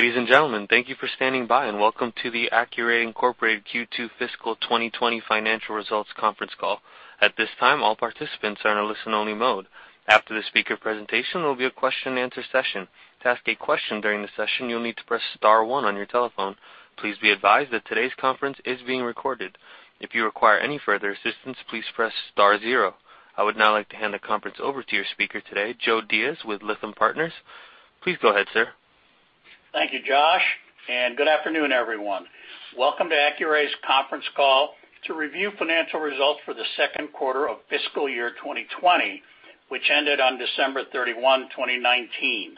Ladies and gentlemen, thank you for standing by, and welcome to the Accuray Incorporated Q2 Fiscal 2020 Financial Results Conference Call. At this time, all participants are in a listen-only mode. After the speaker presentation, there will be a question and answer session. To ask a question during the session, you'll need to press star one on your telephone. Please be advised that today's conference is being recorded. If you require any further assistance, please press star zero. I would now like to hand the conference over to your speaker today, Joe Diaz with Lytham Partners. Please go ahead, sir. Thank you, Josh. Good afternoon, everyone. Welcome to Accuray's conference call to review financial results for the second quarter of fiscal year 2020, which ended on December 31, 2019.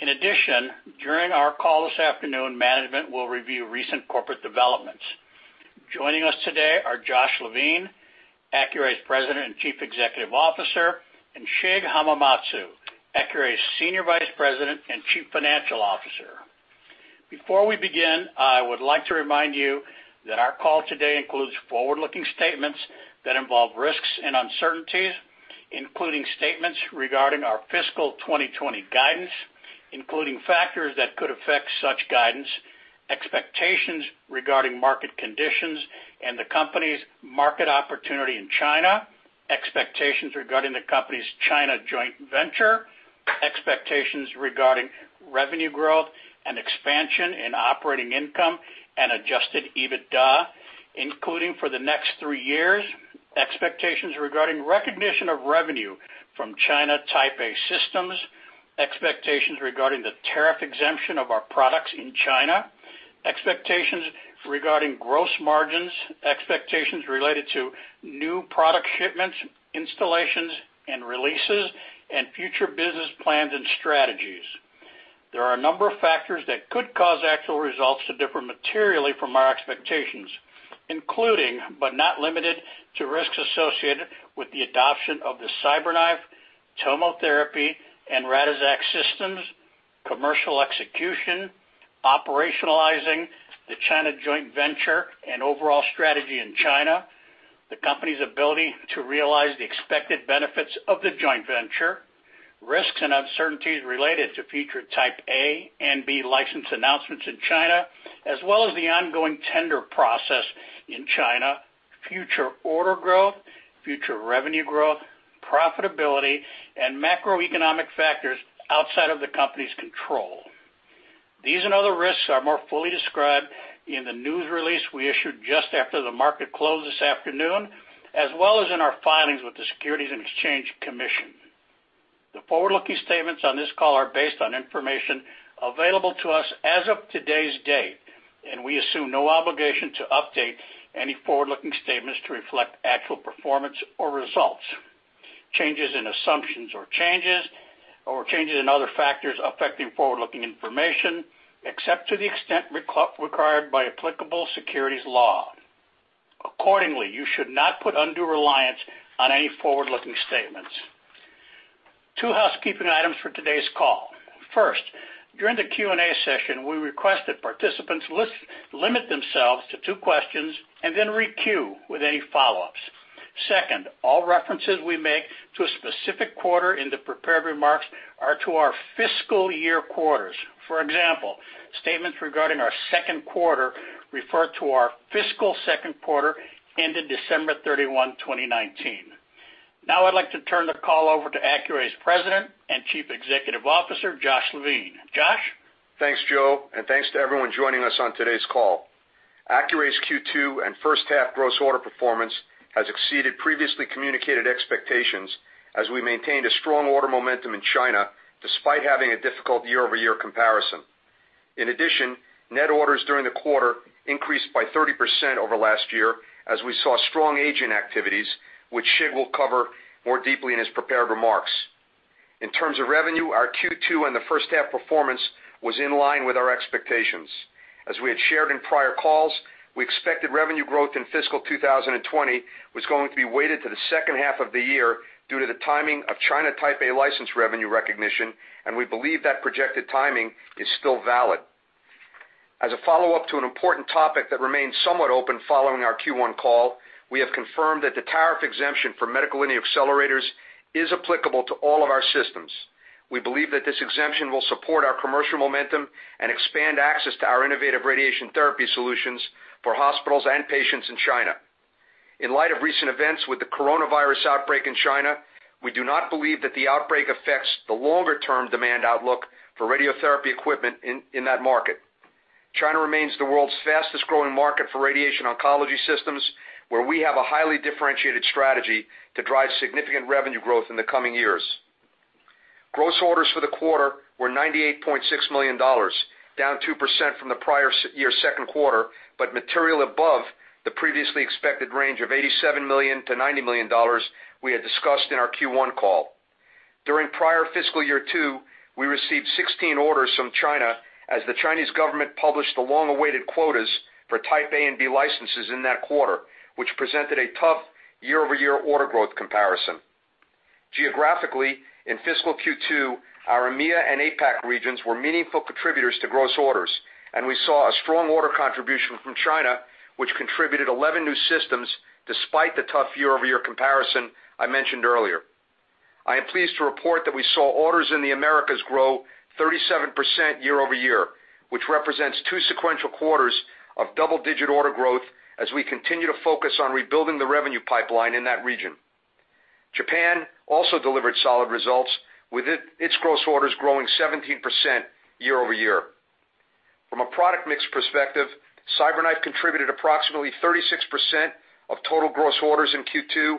In addition, during our call this afternoon, management will review recent corporate developments. Joining us today are Josh Levine, Accuray's President and Chief Executive Officer, and Shig Hamamatsu, Accuray's Senior Vice President and Chief Financial Officer. Before we begin, I would like to remind you that our call today includes forward-looking statements that involve risks and uncertainties, including statements regarding our fiscal 2020 guidance, including factors that could affect such guidance, expectations regarding market conditions, and the company's market opportunity in China, expectations regarding the company's China joint venture, expectations regarding revenue growth and expansion in operating income and adjusted EBITDA, including for the next three years, expectations regarding recognition of revenue from China Type A systems, expectations regarding the tariff exemption of our products in China, expectations regarding gross margins, expectations related to new product shipments, installations, and releases, and future business plans and strategies. There are a number of factors that could cause actual results to differ materially from our expectations, including, but not limited to risks associated with the adoption of the CyberKnife, TomoTherapy, and Radixact systems, commercial execution, operationalizing the China joint venture and overall strategy in China, the company's ability to realize the expected benefits of the joint venture, risks and uncertainties related to future Type A and B license announcements in China, as well as the ongoing tender process in China, future order growth, future revenue growth, profitability, and macroeconomic factors outside of the company's control. These and other risks are more fully described in the news release we issued just after the market closed this afternoon, as well as in our filings with the Securities and Exchange Commission. The forward-looking statements on this call are based on information available to us as of today's date, and we assume no obligation to update any forward-looking statements to reflect actual performance or results. Changes in assumptions or changes in other factors affecting forward-looking information, except to the extent required by applicable securities law. Accordingly, you should not put undue reliance on any forward-looking statements. Two housekeeping items for today's call. First, during the Q&A session, we request that participants limit themselves to two questions and then re-queue with any follow-ups. Second, all references we make to a specific quarter in the prepared remarks are to our fiscal year quarters. For example, statements regarding our second quarter refer to our fiscal second quarter ended December 31, 2019. Now I'd like to turn the call over to Accuray's President and Chief Executive Officer, Josh Levine. Josh? Thanks, Joe, and thanks to everyone joining us on today's call. Accuray's Q2 and first-half gross order performance has exceeded previously communicated expectations as we maintained a strong order momentum in China despite having a difficult year-over-year comparison. Net orders during the quarter increased by 30% over last year as we saw strong agent activities, which Shig will cover more deeply in his prepared remarks. In terms of revenue, our Q2 and the first-half performance was in line with our expectations. As we had shared in prior calls, we expected revenue growth in fiscal 2020 was going to be weighted to the second half of the year due to the timing of China Type A license revenue recognition, we believe that projected timing is still valid. As a follow-up to an important topic that remains somewhat open following our Q1 call, we have confirmed that the tariff exemption for medical linear accelerators is applicable to all of our systems. We believe that this exemption will support our commercial momentum and expand access to our innovative radiation therapy solutions for hospitals and patients in China. In light of recent events with the coronavirus outbreak in China, we do not believe that the outbreak affects the longer-term demand outlook for radiotherapy equipment in that market. China remains the world's fastest-growing market for radiation oncology systems, where we have a highly differentiated strategy to drive significant revenue growth in the coming years. Gross orders for the quarter were $98.6 million, down 2% from the prior year second quarter, material above the previously expected range of $87 million to $90 million we had discussed in our Q1 call. During prior fiscal year two, we received 16 orders from China as the Chinese government published the long-awaited quotas for Type A and B licenses in that quarter, which presented a tough year-over-year order growth comparison. Geographically, in fiscal Q2, our EMEIA and APAC regions were meaningful contributors to gross orders, and we saw a strong order contribution from China, which contributed 11 new systems despite the tough year-over-year comparison I mentioned earlier. I am pleased to report that we saw orders in the Americas grow 37% year-over-year, which represents two sequential quarters of double-digit order growth as we continue to focus on rebuilding the revenue pipeline in that region. Japan also delivered solid results, with its gross orders growing 17% year-over-year. From a product mix perspective, CyberKnife contributed approximately 36% of total gross orders in Q2,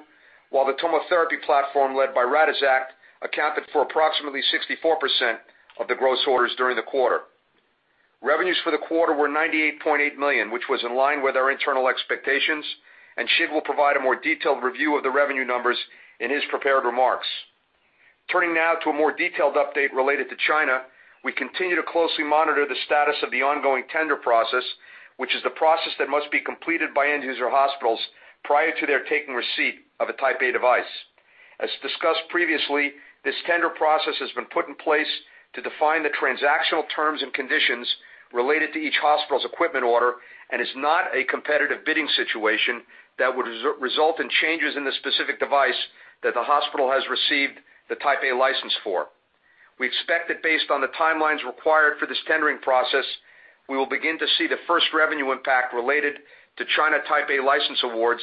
while the TomoTherapy platform, led by Radixact, accounted for approximately 64% of the gross orders during the quarter. Revenues for the quarter were $98.8 million, which was in line with our internal expectations. Shig will provide a more detailed review of the revenue numbers in his prepared remarks. Turning now to a more detailed update related to China. We continue to closely monitor the status of the ongoing tender process, which is the process that must be completed by end user hospitals prior to their taking receipt of a Type A device. As discussed previously, this tender process has been put in place to define the transactional terms and conditions related to each hospital's equipment order and is not a competitive bidding situation that would result in changes in the specific device that the hospital has received the Type A license for. We expect that based on the timelines required for this tendering process, we will begin to see the first revenue impact related to China Type A license awards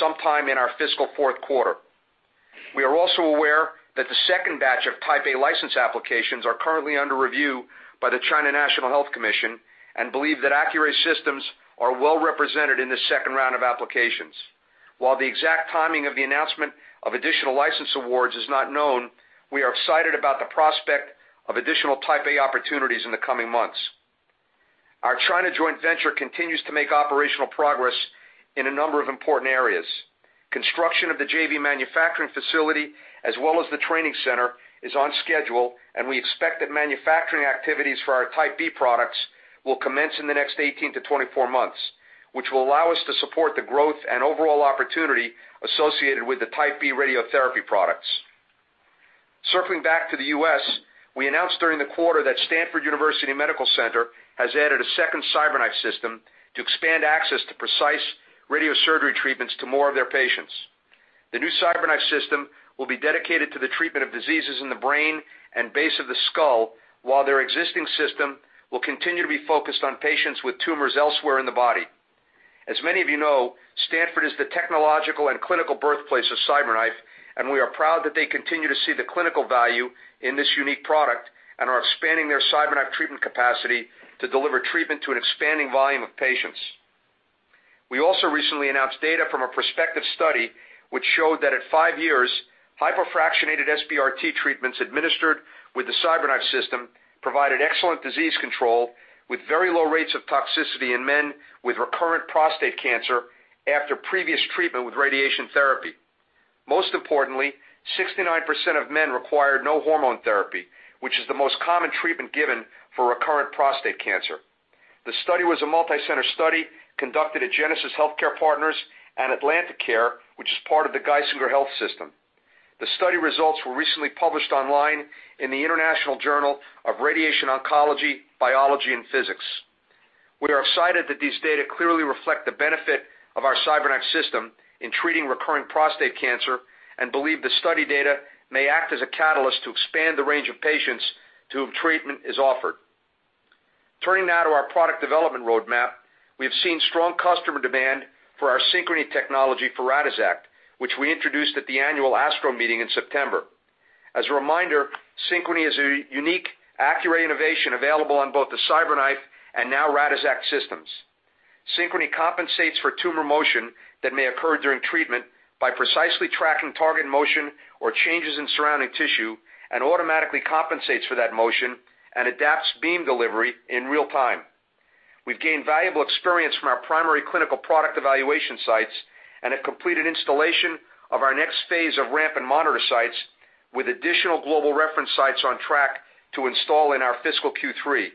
sometime in our fiscal fourth quarter. We are also aware that the second batch of Type A license applications are currently under review by the China National Health Commission and believe that Accuray systems are well represented in this second round of applications. While the exact timing of the announcement of additional license awards is not known, we are excited about the prospect of additional Type A opportunities in the coming months. Our China joint venture continues to make operational progress in a number of important areas. Construction of the JV manufacturing facility, as well as the training center, is on schedule. We expect that manufacturing activities for our Type B products will commence in the next 18-24 months, which will allow us to support the growth and overall opportunity associated with the Type B radiotherapy products. Circling back to the U.S., we announced during the quarter that Stanford University Medical Center has added a second CyberKnife system to expand access to precise radiosurgery treatments to more of their patients. The new CyberKnife system will be dedicated to the treatment of diseases in the brain and base of the skull, while their existing system will continue to be focused on patients with tumors elsewhere in the body. As many of you know, Stanford is the technological and clinical birthplace of CyberKnife, and we are proud that they continue to see the clinical value in this unique product and are expanding their CyberKnife treatment capacity to deliver treatment to an expanding volume of patients. We also recently announced data from a prospective study which showed that at five years, hypofractionated SBRT treatments administered with the CyberKnife system provided excellent disease control with very low rates of toxicity in men with recurrent prostate cancer after previous treatment with radiation therapy. Most importantly, 69% of men required no hormone therapy, which is the most common treatment given for recurrent prostate cancer. The study was a multicenter study conducted at Genesis Healthcare Partners and AtlantiCare, which is part of the Geisinger Health System. The study results were recently published online in the "International Journal of Radiation Oncology, Biology and Physics." We are excited that these data clearly reflect the benefit of our CyberKnife system in treating recurring prostate cancer and believe the study data may act as a catalyst to expand the range of patients to whom treatment is offered. Turning now to our product development roadmap. We have seen strong customer demand for our Synchrony technology for Radixact, which we introduced at the annual ASTRO meeting in September. As a reminder, Synchrony is a unique, Accuray innovation available on both the CyberKnife and now Radixact systems. Synchrony compensates for tumor motion that may occur during treatment by precisely tracking target motion or changes in surrounding tissue and automatically compensates for that motion and adapts beam delivery in real time. We've gained valuable experience from our primary clinical product evaluation sites and have completed installation of our next phase of ramp and monitor sites with additional global reference sites on track to install in our fiscal Q3.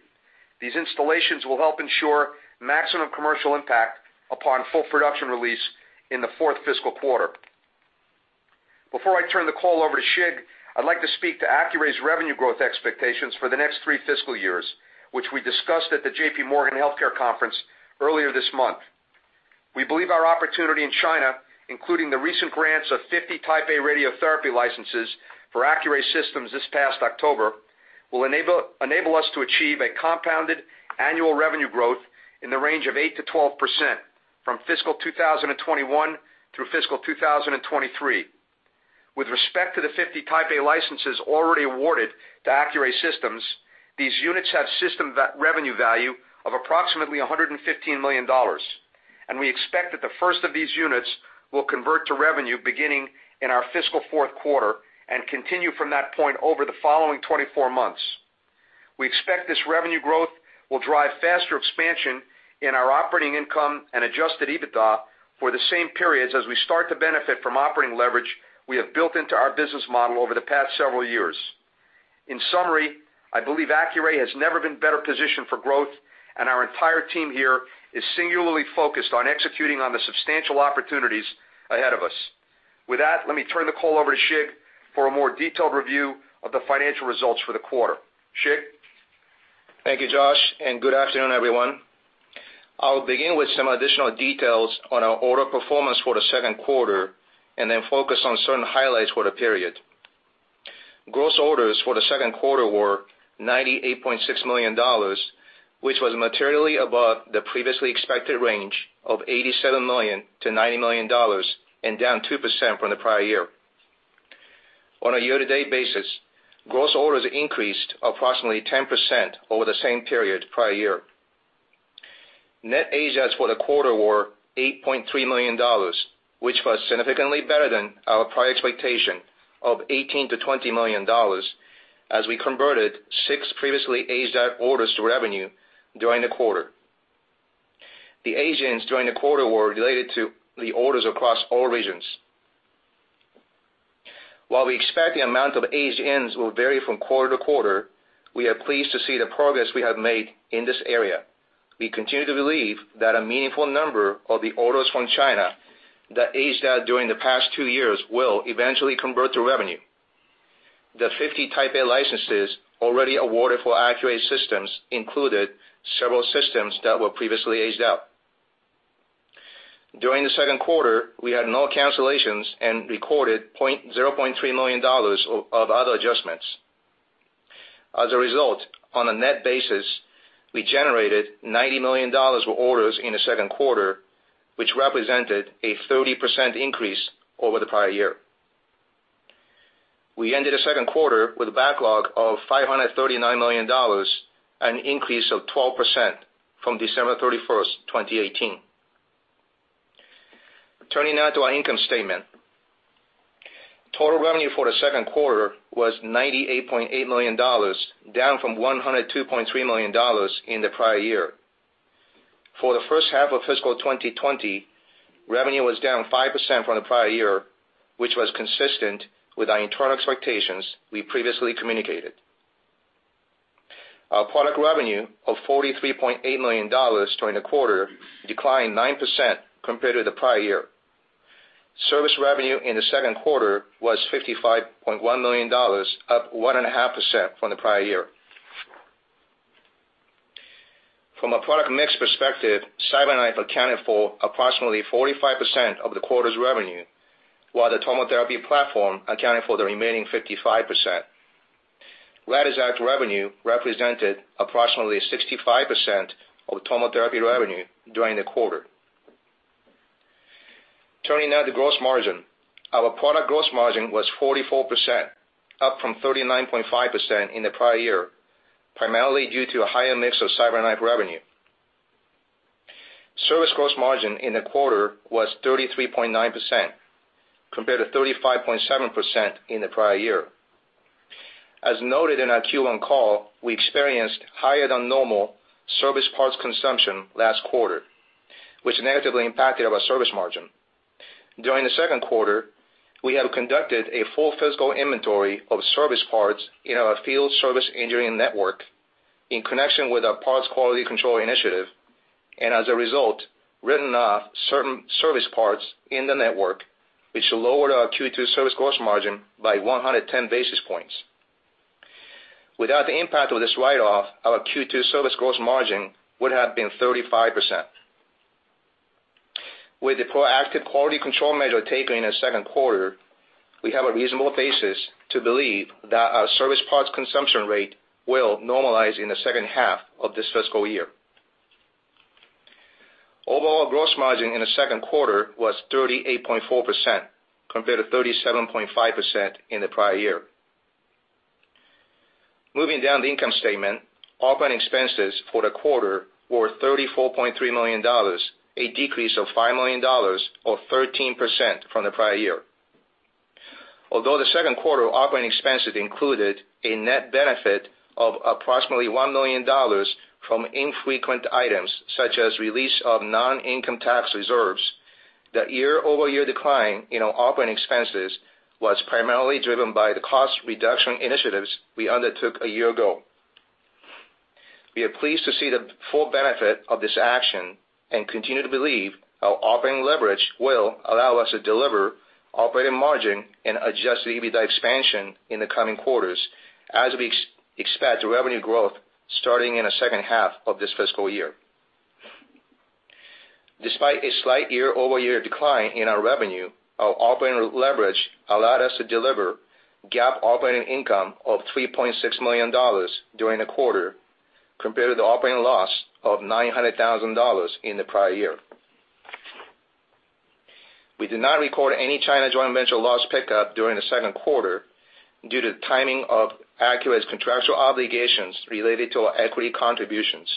These installations will help ensure maximum commercial impact upon full production release in the fourth fiscal quarter. Before I turn the call over to Shig, I'd like to speak to Accuray's revenue growth expectations for the next three fiscal years, which we discussed at the J.P. Morgan Healthcare Conference earlier this month. We believe our opportunity in China, including the recent grants of 50 Type A radiotherapy licenses for Accuray systems this past October, will enable us to achieve a compounded annual revenue growth in the range of 8%-12% from fiscal 2021 through fiscal 2023. With respect to the 50 Type A licenses already awarded to Accuray systems, these units have system revenue value of approximately $115 million. We expect that the first of these units will convert to revenue beginning in our fiscal fourth quarter and continue from that point over the following 24 months. We expect this revenue growth will drive faster expansion in our operating income and adjusted EBITDA for the same periods as we start to benefit from operating leverage we have built into our business model over the past several years. In summary, I believe Accuray has never been better positioned for growth, and our entire team here is singularly focused on executing on the substantial opportunities ahead of us. With that, let me turn the call over to Shig for a more detailed review of the financial results for the quarter. Shig? Thank you, Josh, good afternoon, everyone. I'll begin with some additional details on our order performance for the second quarter, and then focus on certain highlights for the period. Gross orders for the second quarter were $98.6 million, which was materially above the previously expected range of $87 million-$90 million, and down 2% from the prior year. On a year-to-date basis, gross orders increased approximately 10% over the same period prior year. Net age outs for the quarter were $8.3 million, which was significantly better than our prior expectation of $18 million-$20 million, as we converted six previously aged out orders to revenue during the quarter. The age-ins during the quarter were related to the orders across all regions. While we expect the amount of age-ins will vary from quarter to quarter, we are pleased to see the progress we have made in this area. We continue to believe that a meaningful number of the orders from China that aged out during the past two years will eventually convert to revenue. The 50 Type A licenses already awarded for Accuray systems included several systems that were previously aged out. During the second quarter, we had no cancellations and recorded $0.3 million of other adjustments. As a result, on a net basis, we generated $90 million with orders in the second quarter, which represented a 30% increase over the prior year. We ended the second quarter with a backlog of $539 million, an increase of 12% from December 31st, 2018. Turning now to our income statement. Total revenue for the second quarter was $98.8 million, down from $102.3 million in the prior year. For the first half of fiscal 2020, revenue was down 5% from the prior year, which was consistent with our internal expectations we previously communicated. Our product revenue of $43.8 million during the quarter declined 9% compared to the prior year. Service revenue in the second quarter was $55.1 million, up 1.5% from the prior year. From a product mix perspective, CyberKnife accounted for approximately 45% of the quarter's revenue, while the TomoTherapy platform accounted for the remaining 55%. Radixact revenue represented approximately 65% of TomoTherapy revenue during the quarter. Turning now to gross margin. Our product gross margin was 44%, up from 39.5% in the prior year, primarily due to a higher mix of CyberKnife revenue. Service gross margin in the quarter was 33.9%, compared to 35.7% in the prior year. As noted in our Q1 call, we experienced higher than normal service parts consumption last quarter, which negatively impacted our service margin. During the second quarter, we have conducted a full physical inventory of service parts in our field service engineering network in connection with our parts quality control initiative, and as a result, written off certain service parts in the network, which lowered our Q2 service gross margin by 110 basis points. Without the impact of this write-off, our Q2 service gross margin would have been 35%. With the proactive quality control measure taken in the second quarter, we have a reasonable basis to believe that our service parts consumption rate will normalize in the second half of this fiscal year. Overall gross margin in the second quarter was 38.4%, compared to 37.5% in the prior year. Moving down the income statement, operating expenses for the quarter were $34.3 million, a decrease of $5 million, or 13% from the prior year. Although the second quarter operating expenses included a net benefit of approximately $1 million from infrequent items such as release of non-income tax reserves, the year-over-year decline in our operating expenses was primarily driven by the cost reduction initiatives we undertook a year ago. We are pleased to see the full benefit of this action and continue to believe our operating leverage will allow us to deliver operating margin and adjusted EBITDA expansion in the coming quarters as we expect revenue growth starting in the second half of this fiscal year. Despite a slight year-over-year decline in our revenue, our operating leverage allowed us to deliver GAAP operating income of $3.6 million during the quarter, compared to the operating loss of $900,000 in the prior year. We did not record any China joint venture loss pickup during the second quarter due to the timing of Accuray's contractual obligations related to our equity contributions.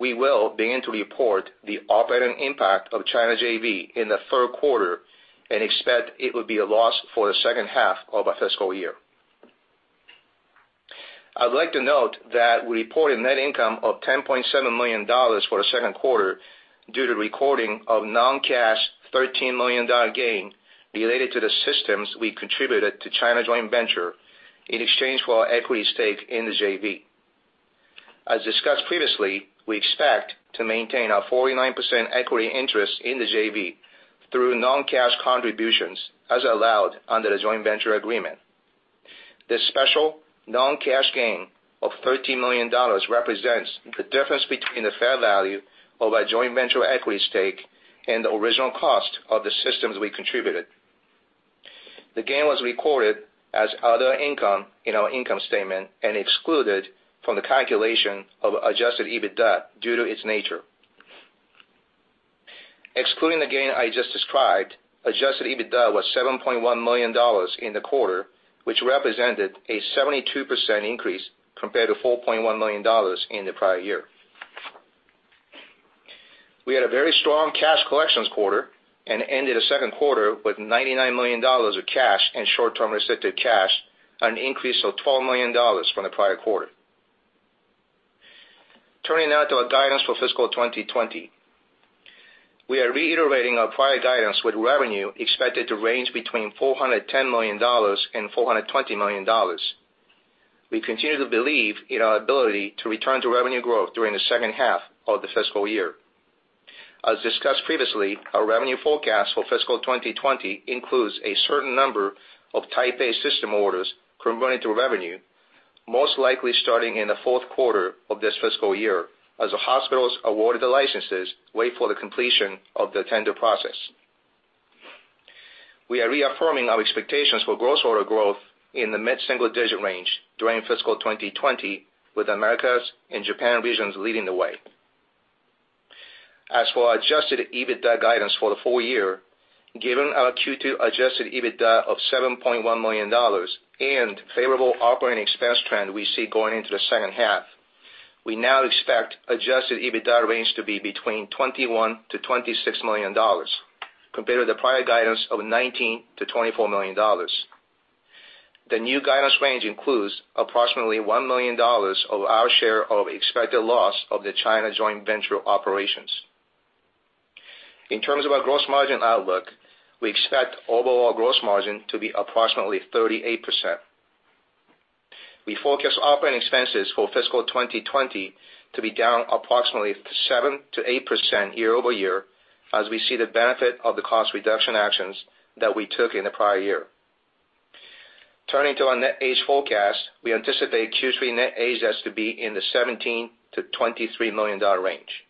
We will begin to report the operating impact of China JV in the third quarter and expect it will be a loss for the second half of our fiscal year. I'd like to note that we reported net income of $10.7 million for the second quarter due to recording of non-cash $13 million gain related to the systems we contributed to China joint venture in exchange for our equity stake in the JV. As discussed previously, we expect to maintain our 49% equity interest in the JV through non-cash contributions as allowed under the joint venture agreement. This special non-cash gain of $13 million represents the difference between the fair value of our joint venture equity stake and the original cost of the systems we contributed. The gain was recorded as other income in our income statement and excluded from the calculation of adjusted EBITDA due to its nature. Excluding the gain I just described, adjusted EBITDA was $7.1 million in the quarter, which represented a 72% increase compared to $4.1 million in the prior year. We had a very strong cash collections quarter and ended the second quarter with $99 million of cash and short-term restricted cash, an increase of $12 million from the prior quarter. Turning now to our guidance for fiscal 2020. We are reiterating our prior guidance with revenue expected to range between $410 million and $420 million. We continue to believe in our ability to return to revenue growth during the second half of the fiscal year. As discussed previously, our revenue forecast for fiscal 2020 includes a certain number of Type A system orders converting to revenue, most likely starting in the fourth quarter of this fiscal year, as the hospitals awarded the licenses wait for the completion of the tender process. We are reaffirming our expectations for gross order growth in the mid-single-digit range during fiscal 2020, with Americas and Japan regions leading the way. As for our adjusted EBITDA guidance for the full year, given our Q2 adjusted EBITDA of $7.1 million and favorable operating expense trend we see going into the second half, we now expect adjusted EBITDA range to be between $21 million to $26 million, compared to the prior guidance of $19 million to $24 million. The new guidance range includes approximately $1 million of our share of expected loss of the China joint venture operations. In terms of our gross margin outlook, we expect overall gross margin to be approximately 38%. We forecast operating expenses for fiscal 2020 to be down approximately 7%-8% year-over-year, as we see the benefit of the cost reduction actions that we took in the prior year. Turning to our net age-ins forecast, we anticipate Q3 net age-ins to be in the $17 million to $23 million range.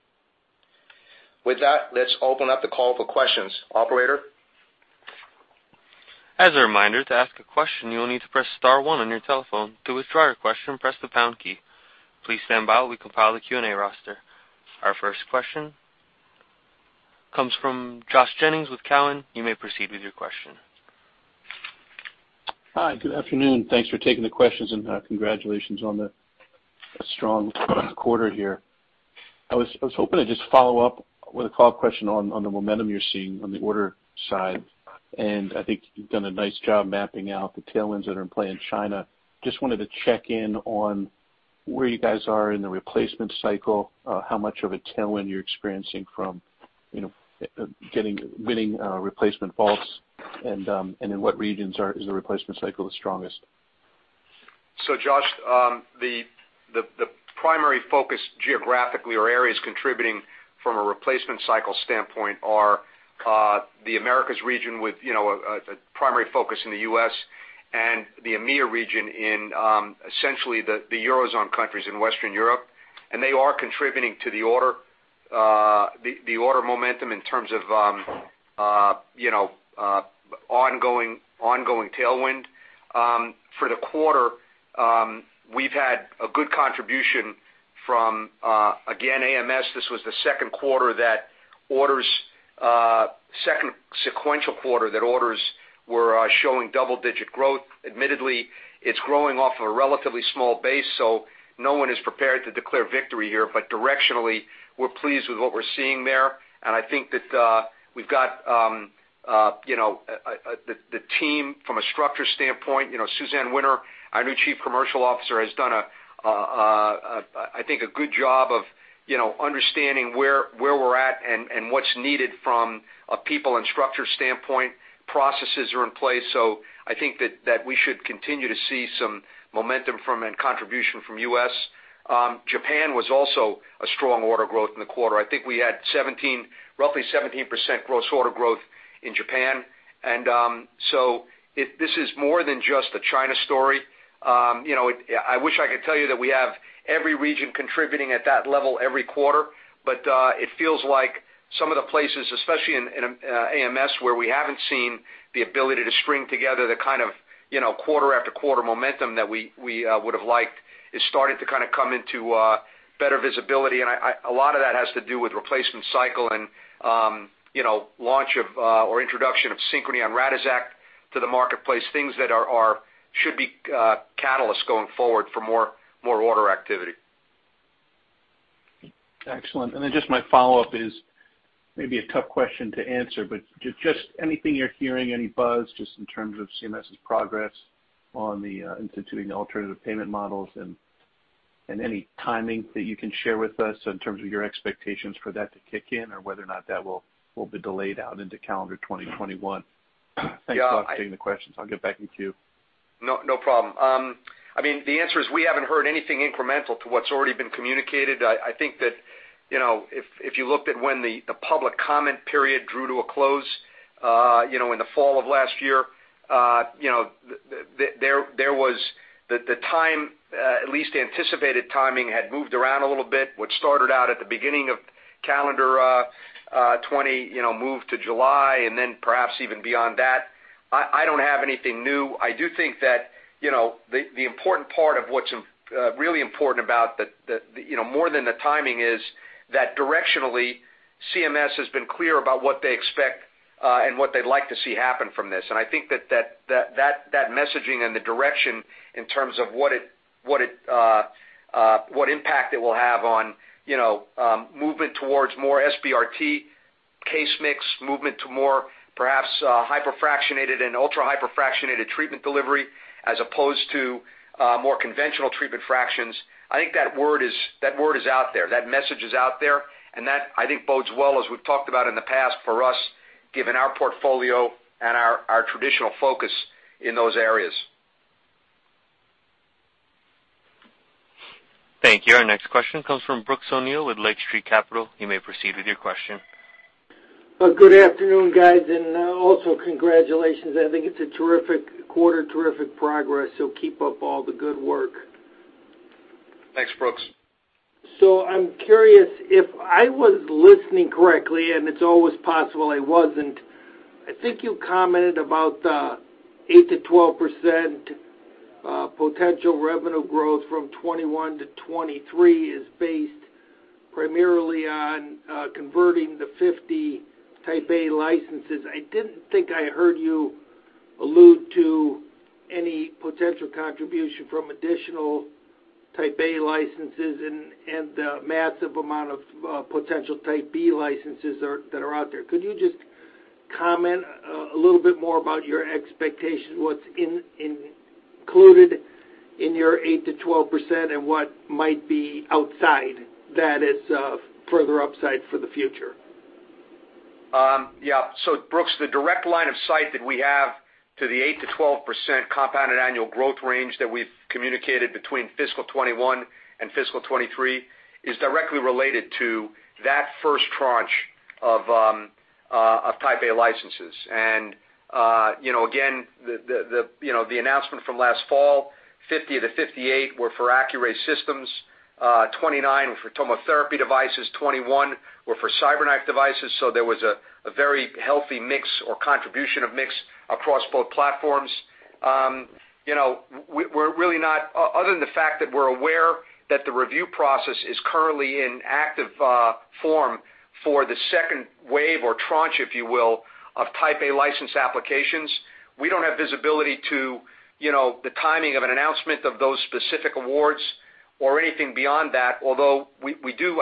With that, let's open up the call for questions. Operator? As a reminder, to ask a question, you will need to press star one on your telephone. To withdraw your question, press the pound key. Please stand by while we compile the Q&A roster. Our first question comes from Josh Jennings with Cowen. You may proceed with your question. Hi, good afternoon. Thanks for taking the questions, and congratulations on the strong quarter here. I was hoping to just follow up with a call question on the momentum you're seeing on the order side, and I think you've done a nice job mapping out the tailwinds that are in play in China. Just wanted to check in on where you guys are in the replacement cycle, how much of a tailwind you're experiencing from winning replacement faults, and in what regions is the replacement cycle the strongest? Josh, the primary focus geographically or areas contributing from a replacement cycle standpoint are the Americas region with a primary focus in the U.S. and the EMEIA region in essentially the Eurozone countries in Western Europe. They are contributing to the order momentum in terms of ongoing tailwind. For the quarter, we've had a good contribution from, again, Americas. This was the second sequential quarter that orders were showing double-digit growth. Admittedly, it's growing off of a relatively small base, so no one is prepared to declare victory here, but directionally, we're pleased with what we're seeing there. I think that we've got the team from a structure standpoint, Suzanne Winter, our new Chief Commercial Officer, has done, I think, a good job of understanding where we're at and what's needed from a people and structure standpoint. Processes are in place. I think that we should continue to see some momentum from and contribution from U.S. Japan was also a strong order growth in the quarter. I think we had roughly 17% gross order growth in Japan. This is more than just the China story. I wish I could tell you that we have every region contributing at that level every quarter. It feels like some of the places, especially in Americas, where we haven't seen the ability to string together the kind of quarter after quarter momentum that we would have liked is starting to kind of come into better visibility. A lot of that has to do with replacement cycle and launch of or introduction of Synchrony and Radixact to the marketplace, things that should be catalysts going forward for more order activity. Excellent. Just my follow-up is maybe a tough question to answer, but just anything you're hearing, any buzz just in terms of CMS's progress on the instituting alternative payment models and any timing that you can share with us in terms of your expectations for that to kick in or whether or not that will be delayed out into calendar 2021? Thanks for taking the questions. I'll get back in queue. No problem. I mean, the answer is we haven't heard anything incremental to what's already been communicated. I think that if you looked at when the public comment period drew to a close in the fall of last year, the time, at least the anticipated timing, had moved around a little bit. What started out at the beginning of calendar 2020 moved to July, and then perhaps even beyond that. I don't have anything new. I do think that the important part of what's really important about more than the timing is that directionally, CMS has been clear about what they expect and what they'd like to see happen from this. I think that messaging and the direction in terms of what impact it will have on movement towards more SBRT case mix, movement to more perhaps hyperfractionated and ultra-hypofractionated treatment delivery as opposed to more conventional treatment fractions. I think that word is out there. That message is out there. That, I think, bodes well, as we've talked about in the past, for us, given our portfolio and our traditional focus in those areas. Thank you. Our next question comes from Brooks O'Neil with Lake Street Capital. You may proceed with your question. Good afternoon, guys, and also congratulations. I think it's a terrific quarter, terrific progress, so keep up all the good work. Thanks, Brooks. I'm curious if I was listening correctly, and it's always possible I wasn't. I think you commented about the 8%-12% potential revenue growth from 2021 to 2023 is based primarily on converting the 50 Type A licenses. I didn't think I heard you allude to any potential contribution from additional Type A licenses and the massive amount of potential Type B licenses that are out there. Could you just comment a little bit more about your expectation, what's included in your 8%-12% and what might be outside that as further upside for the future? Brooks, the direct line of sight that we have to the 8%-12% compounded annual growth range that we've communicated between fiscal 2021 and fiscal 2023 is directly related to that first tranche of Type A licenses. Again, the announcement from last fall, 50-58 were for Accuray systems, 29 were for TomoTherapy devices, 21 were for CyberKnife devices. There was a very healthy mix or contribution of mix across both platforms. Other than the fact that we're aware that the review process is currently in active form for the second wave or tranche, if you will, of Type A license applications, we don't have visibility to the timing of an announcement of those specific awards or anything beyond that. Although, I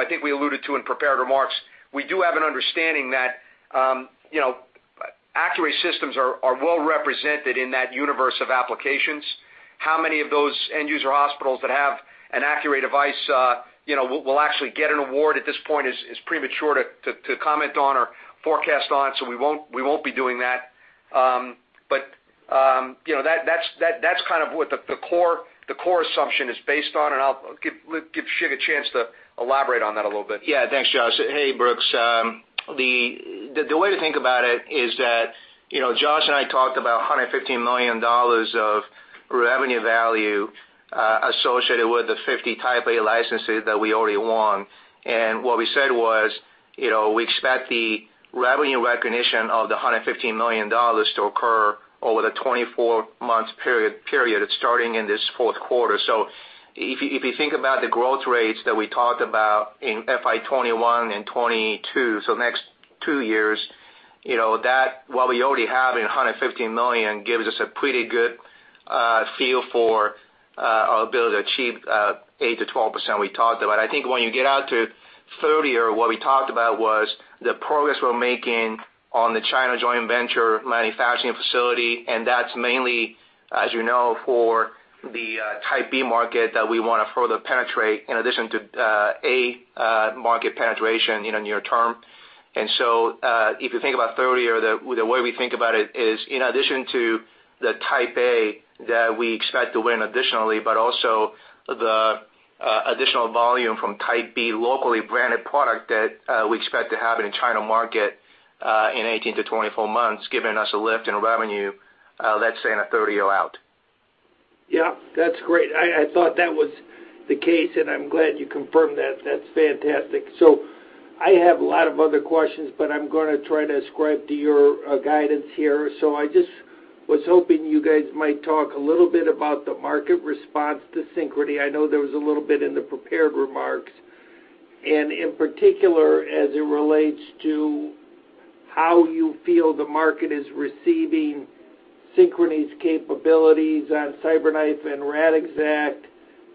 think we alluded to in prepared remarks, we do have an understanding that Accuray systems are well-represented in that universe of applications. How many of those end-user hospitals that have an Accuray device will actually get an award at this point is premature to comment on or forecast on. We won't be doing that. That's what the core assumption is based on, and I'll give Shig a chance to elaborate on that a little bit. Thanks, Josh. Hey, Brooks. The way to think about it is that Josh and I talked about $115 million of revenue value associated with the 50 Type A licenses that we already won. What we said was, we expect the revenue recognition of the $115 million to occur over the 24-month period starting in this fourth quarter. If you think about the growth rates that we talked about in FY 2021 and 2022, the next two years, what we already have in $115 million gives us a pretty good feel for our ability to achieve the 8%-12% we talked about. I think when you get out to 30, or what we talked about was the progress we're making on the China joint venture manufacturing facility, that's mainly, as you know, for the Type B market that we want to further penetrate in addition to A market penetration in the near term. If you think about 30, or the way we think about it is in addition to the Type A that we expect to win additionally, but also the additional volume from Type B locally branded product that we expect to have in the China market in 18 to 24 months, giving us a lift in revenue, let's say, in a 30 out. Yeah. That's great. I thought that was the case, and I'm glad you confirmed that. That's fantastic. I have a lot of other questions, but I'm going to try to ascribe to your guidance here. I just was hoping you guys might talk a little bit about the market response to Synchrony. I know there was a little bit in the prepared remarks, and in particular, as it relates to how you feel the market is receiving Synchrony's capabilities on CyberKnife and Radixact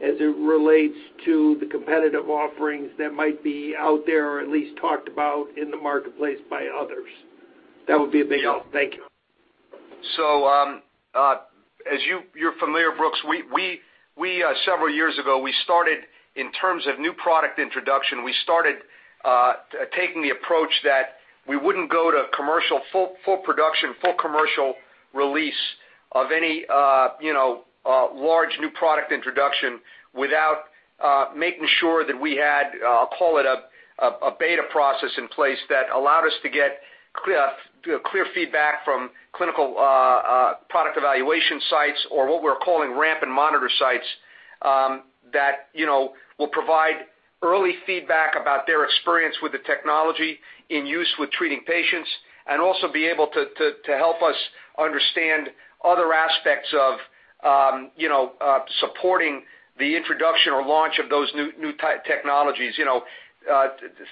as it relates to the competitive offerings that might be out there or at least talked about in the marketplace by others. That would be amazing. Thank you. As you're familiar, Brooks, several years ago, we started in terms of new product introduction. We started taking the approach that we wouldn't go to full production, full commercial release of any large new product introduction without making sure that we had, call it a beta process in place that allowed us to get clear feedback from clinical product evaluation sites or what we're calling ramp and monitor sites, that will provide early feedback about their experience with the technology in use with treating patients and also be able to help us understand other aspects of supporting the introduction or launch of those new technologies.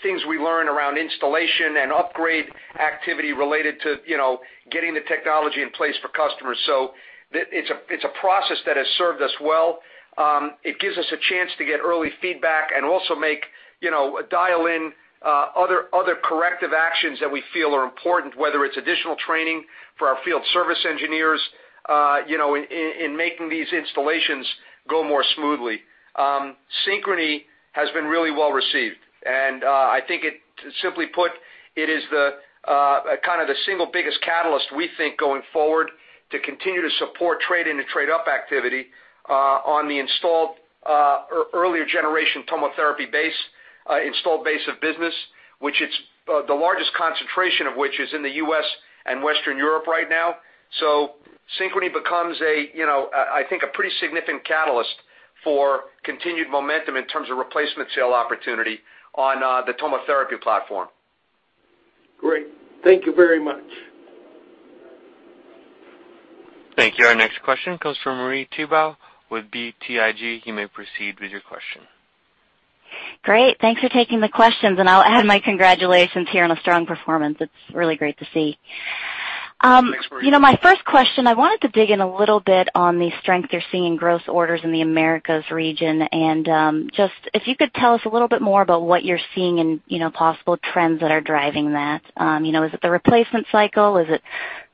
Things we learn around installation and upgrade activity related to getting the technology in place for customers. It's a process that has served us well. It gives us a chance to get early feedback and also dial in other corrective actions that we feel are important, whether it's additional training for our field service engineers, in making these installations go more smoothly. Synchrony has been really well-received, and I think simply put, it is the single biggest catalyst, we think, going forward to continue to support trade-in to trade-up activity on the installed earlier generation TomoTherapy base, installed base of business, the largest concentration of which is in the U.S. and Western Europe right now. Synchrony becomes, I think, a pretty significant catalyst for continued momentum in terms of replacement sale opportunity on the TomoTherapy platform. Great. Thank you very much. Thank you. Our next question comes from Marie Thibault with BTIG. You may proceed with your question. Great. Thanks for taking the questions, and I'll add my congratulations here on a strong performance. It's really great to see. Thanks, Marie. My first question, I wanted to dig in a little bit on the strength you're seeing in gross orders in the Americas region, and if you could tell us a little bit more about what you're seeing in possible trends that are driving that. Is it the replacement cycle? Is it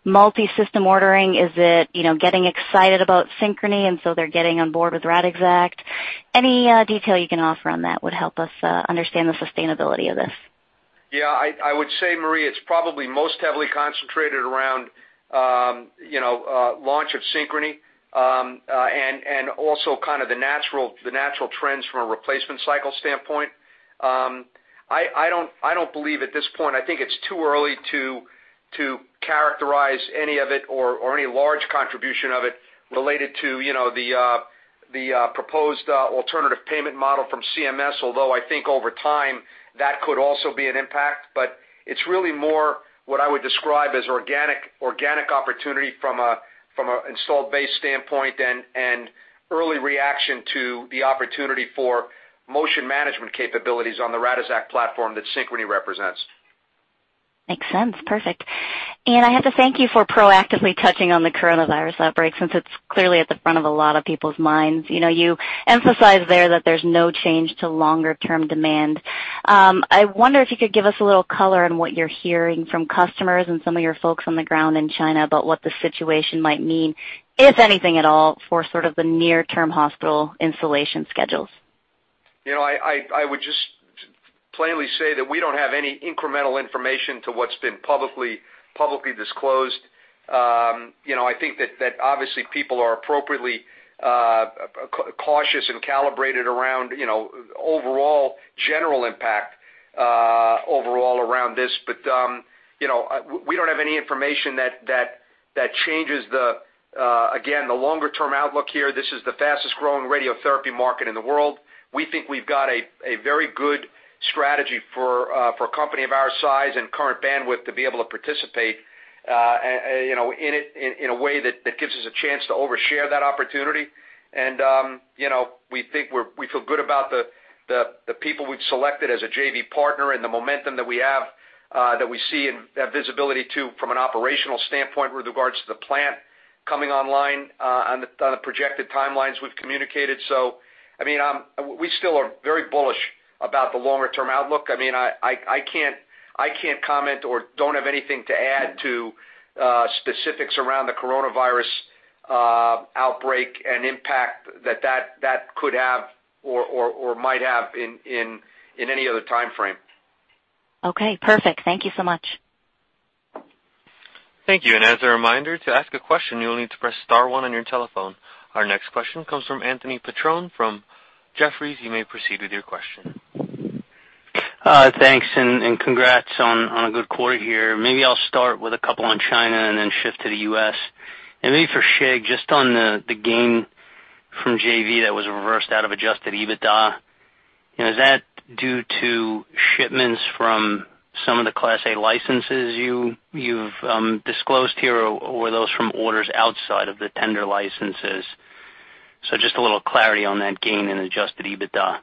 multi-system ordering? Is it getting excited about Synchrony, and so they're getting on board with Radixact? Any detail you can offer on that would help us understand the sustainability of this. Yeah, I would say, Marie, it's probably most heavily concentrated around launch of Synchrony, also the natural trends from a replacement cycle standpoint. I don't believe at this point, I think it's too early to characterize any of it or any large contribution of it related to the proposed alternative payment model from CMS, although I think over time, that could also be an impact. It's really more what I would describe as organic opportunity from an installed base standpoint and early reaction to the opportunity for motion management capabilities on the Radixact platform that Synchrony represents. Makes sense. Perfect. I have to thank you for proactively touching on the coronavirus outbreak, since it's clearly at the front of a lot of people's minds. You emphasized there that there's no change to longer-term demand. I wonder if you could give us a little color on what you're hearing from customers and some of your folks on the ground in China about what the situation might mean, if anything at all, for the near-term hospital installation schedules. I would just plainly say that we don't have any incremental information to what's been publicly disclosed. I think that obviously people are appropriately cautious and calibrated around overall general impact around this. We don't have any information that changes, again, the longer-term outlook here. This is the fastest growing radiotherapy market in the world. We think we've got a very good strategy for a company of our size and current bandwidth to be able to participate in a way that gives us a chance to overshare that opportunity. We feel good about the people we've selected as a JV partner and the momentum that we have, that we see and have visibility to from an operational standpoint with regards to the plant coming online on the projected timelines we've communicated. We still are very bullish about the longer-term outlook. I can't comment or don't have anything to add to specifics around the coronavirus outbreak and impact that that could have or might have in any other timeframe. Okay, perfect. Thank you so much. Thank you. As a reminder, to ask a question, you'll need to press star one on your telephone. Our next question comes from Anthony Petrone from Jefferies. You may proceed with your question. Thanks, congrats on a good quarter here. Maybe I'll start with a couple on China and then shift to the U.S. Maybe for Shig, just on the gain from JV that was reversed out of adjusted EBITDA. Is that due to shipments from some of the Class A licenses you've disclosed here, or were those from orders outside of the tender licenses? Just a little clarity on that gain in adjusted EBITDA.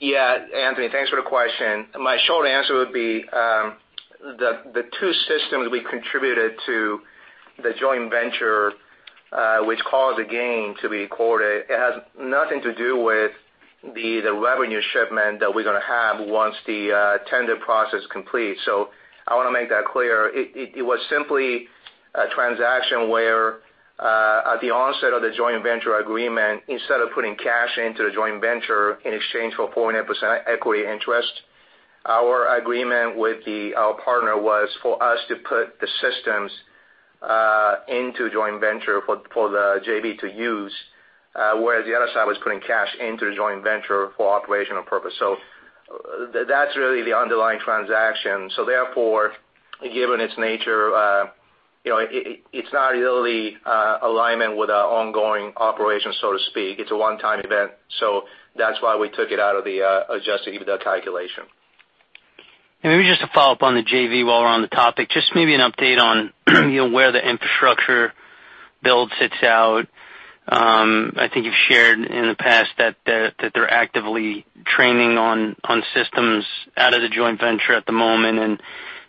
Yeah, Anthony, thanks for the question. My short answer would be, the two systems we contributed to the joint venture, which caused the gain to be recorded, it has nothing to do with the revenue shipment that we're going to have once the tender process completes. I want to make that clear. It was simply a transaction where, at the onset of the joint venture agreement, instead of putting cash into the joint venture in exchange for a 4.8% equity interest. Our agreement with our partner was for us to put the systems into joint venture for the JV to use, whereas the other side was putting cash into the joint venture for operational purpose. That's really the underlying transaction. Therefore, given its nature, it's not really alignment with our ongoing operations, so to speak. It's a one-time event. That's why we took it out of the adjusted EBITDA calculation. Maybe just to follow up on the JV while we're on the topic, just maybe an update on where the infrastructure build sits out. I think you've shared in the past that they're actively training on systems out of the joint venture at the moment, and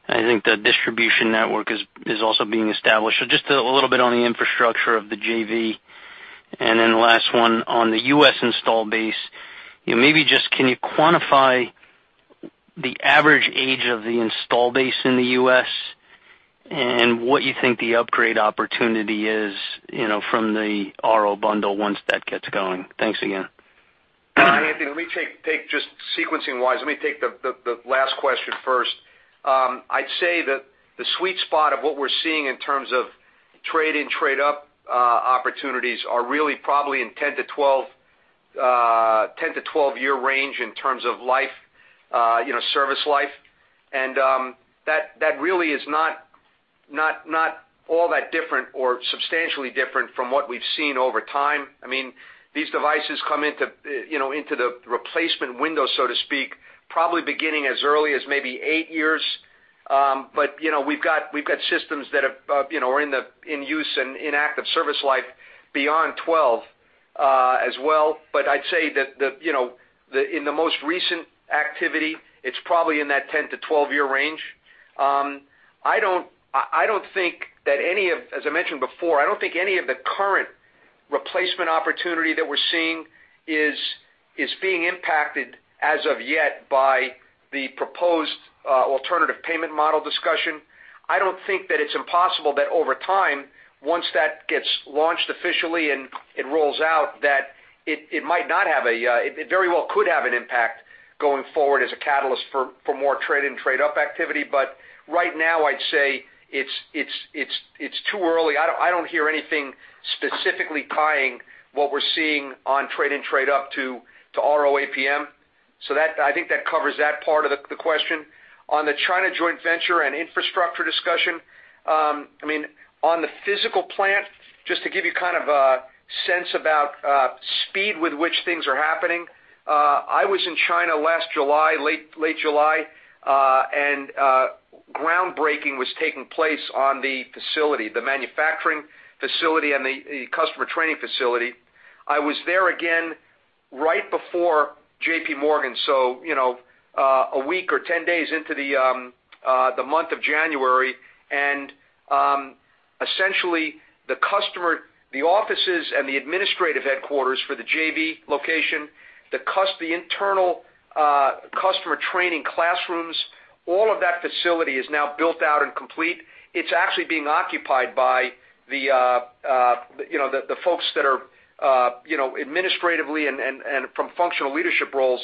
I think the distribution network is also being established. Just a little bit on the infrastructure of the JV. Then last one, on the U.S. install base, maybe just can you quantify the average age of the install base in the U.S. and what you think the upgrade opportunity is from the RO bundle once that gets going? Thanks again. Anthony, let me take just sequencing-wise, let me take the last question first. I'd say that the sweet spot of what we're seeing in terms of trade-in, trade-up opportunities are really, probably in 10 to 12-year range in terms of service life. That really is not all that different or substantially different from what we've seen over time. These devices come into the replacement window, so to speak, probably beginning as early as maybe eight years. We've got systems that are in use and in active service life beyond 12 as well. I'd say that in the most recent activity, it's probably in that 10 to 12-year range. As I mentioned before, I don't think any of the current replacement opportunity that we're seeing is being impacted as of yet by the proposed alternative payment model discussion. I don't think that it's impossible that over time, once that gets launched officially and it rolls out, that it very well could have an impact going forward as a catalyst for more trade and trade-up activity. Right now, I'd say it's too early. I don't hear anything specifically tying what we're seeing on trade and trade-up to RO APM. I think that covers that part of the question. On the China joint venture and infrastructure discussion, on the physical plant, just to give you kind of a sense about speed with which things are happening, I was in China last July, late July, and groundbreaking was taking place on the facility, the manufacturing facility and the customer training facility. I was there again right before JP Morgan, a week or 10 days into the month of January. Essentially the offices and the administrative headquarters for the JV location, the internal customer training classrooms, all of that facility is now built out and complete. It's actually being occupied by the folks that are administratively and from functional leadership roles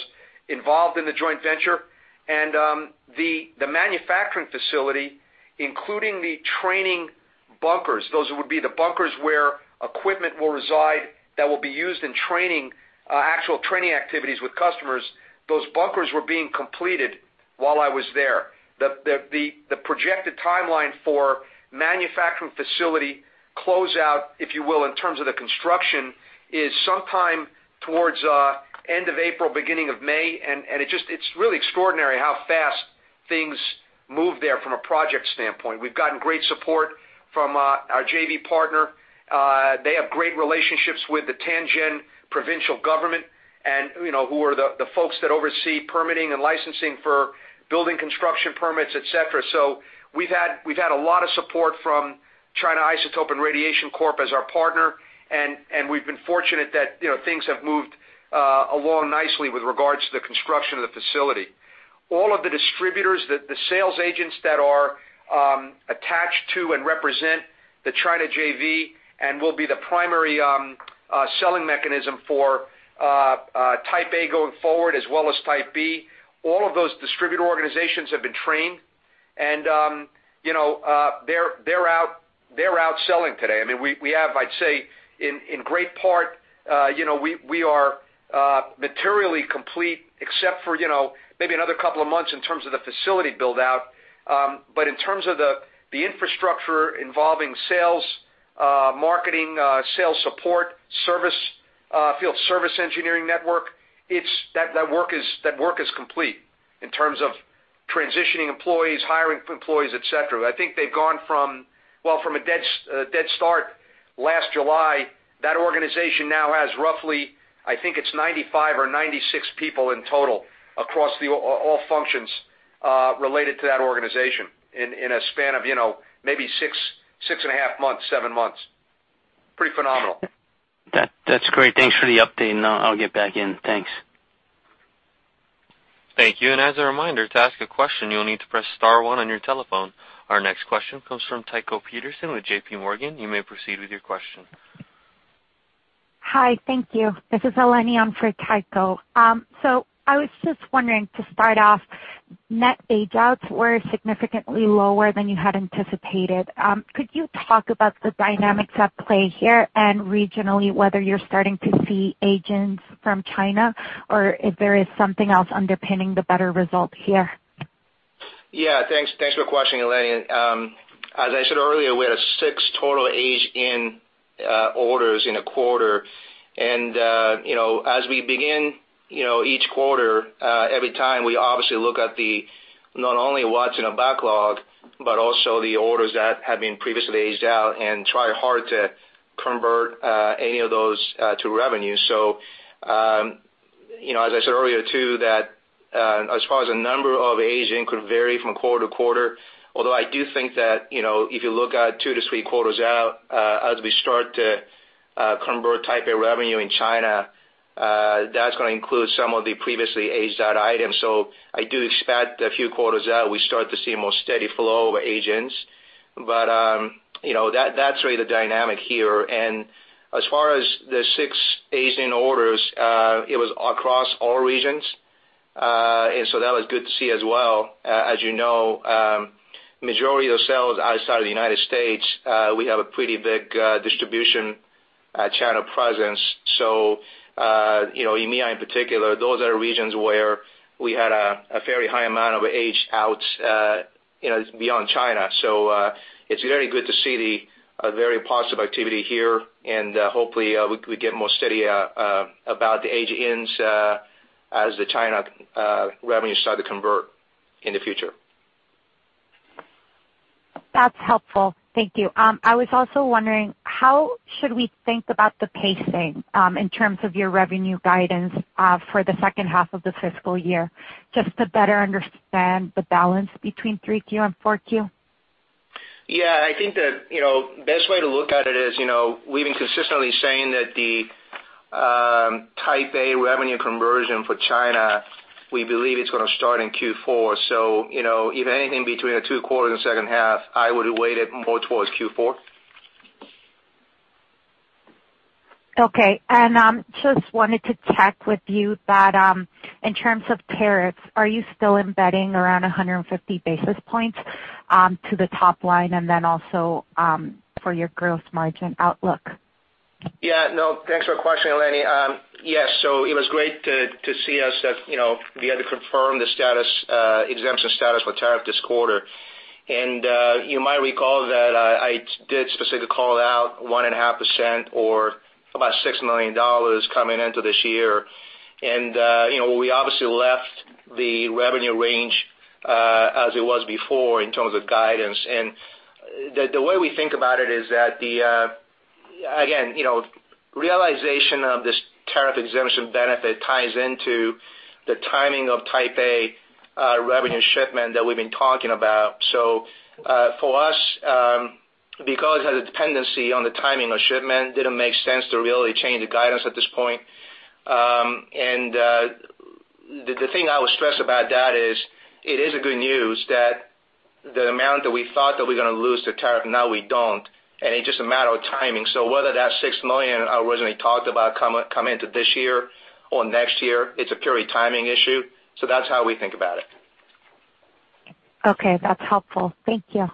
involved in the joint venture. The manufacturing facility, including the training bunkers, those would be the bunkers where equipment will reside that will be used in actual training activities with customers. Those bunkers were being completed while I was there. The projected timeline for manufacturing facility closeout, if you will, in terms of the construction, is sometime towards end of April, beginning of May. It's really extraordinary how fast things move there from a project standpoint. We've gotten great support from our JV partner. They have great relationships with the Tianjin provincial government who are the folks that oversee permitting and licensing for building construction permits, et cetera. We've had a lot of support from China Isotope & Radiation Corporation as our partner, and we've been fortunate that things have moved along nicely with regards to the construction of the facility. All of the distributors, the sales agents that are attached to and represent the China JV and will be the primary selling mechanism for Type A going forward as well as Type B, all of those distributor organizations have been trained, and they're out selling today. We have, I'd say, in great part, we are materially complete except for maybe another couple of months in terms of the facility build-out. In terms of the infrastructure involving sales, marketing, sales support, field service engineering network, that work is complete in terms of transitioning employees, hiring employees, et cetera. I think they've gone from a dead start last July. That organization now has roughly, I think it's 95 or 96 people in total across all functions related to that organization in a span of maybe six and a half months, seven months. Pretty phenomenal. That's great. Thanks for the update, and I'll get back in. Thanks. Thank you. As a reminder, to ask a question, you will need to press star one on your telephone. Our next question comes from Tycho Peterson with JPMorgan. You may proceed with your question. Hi, thank you. This is Eleni on for Tycho. I was just wondering to start off, net age outs were significantly lower than you had anticipated. Could you talk about the dynamics at play here and regionally, whether you're starting to see agents from China or if there is something else underpinning the better result here? Yeah, thanks for your question, Eleni. As I said earlier, we had a six total age-in orders in a quarter. As we begin each quarter, every time we obviously look at the not only what's in our backlog, but also the orders that have been previously aged out and try hard to convert any of those to revenue. As I said earlier too, that as far as the number of age-in could vary from quarter to quarter. Although I do think that, if you look at two to three quarters out, as we start to convert Type A revenue in China, that's going to include some of the previously aged out items. I do expect a few quarters out, we start to see a more steady flow of age-ins. That's really the dynamic here. As far as the six age-in orders, it was across all regions. That was good to see as well. As you know, majority of sales outside of the United States, we have a pretty big distribution channel presence. EMEA in particular, those are regions where we had a very high amount of age-outs beyond China. It's very good to see the very positive activity here, and hopefully we get more steady about the age-ins as the China revenue start to convert in the future. That's helpful. Thank you. I was also wondering, how should we think about the pacing, in terms of your revenue guidance for the second half of the fiscal year, just to better understand the balance between three Q and four Q? Yeah, I think the best way to look at it is, we've been consistently saying that the Type A revenue conversion for China, we believe it's going to start in Q4. If anything between the two quarters in the second half, I would have weighed it more towards Q4. Okay. Just wanted to check with you that, in terms of tariffs, are you still embedding around 150 basis points to the top line and then also for your growth margin outlook? Yeah, no, thanks for your question, Eleni. Yes, it was great to see us that we had to confirm the exemption status for tariff this quarter. You might recall that I did specifically call out 1.5% or about $6 million coming into this year. We obviously left the revenue range as it was before in terms of guidance. The way we think about it is that the, again, realization of this tariff exemption benefit ties into the timing of Type A revenue shipment that we've been talking about. For us, because of the dependency on the timing of shipment, didn't make sense to really change the guidance at this point. The thing I would stress about that is, it is a good news that the amount that we thought that we're going to lose to tariff, now we don't, and it's just a matter of timing. Whether that $6 million I originally talked about come into this year or next year, it's a pure timing issue. That's how we think about it. Okay, that's helpful. Thank you.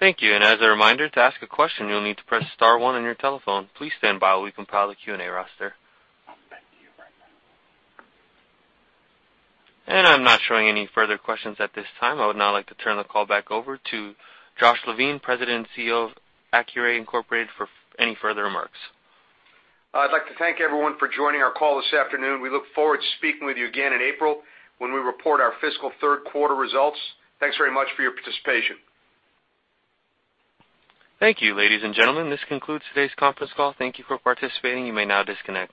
Thank you. As a reminder, to ask a question, you'll need to press star one on your telephone. Please stand by while we compile the Q&A roster. I'll bet you right now. I'm not showing any further questions at this time. I would now like to turn the call back over to Josh Levine, President and CEO of Accuray Incorporated for any further remarks. I'd like to thank everyone for joining our call this afternoon. We look forward to speaking with you again in April when we report our fiscal third quarter results. Thanks very much for your participation. Thank you, ladies and gentlemen. This concludes today's conference call. Thank you for participating. You may now disconnect.